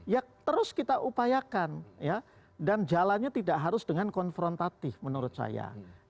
ya terus kita upayakan ya dan jalannya tidak harus dengan konfrontatif menurut saya